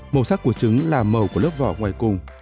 màu sắc của trứng là màu của lớp vỏ ngoài cùng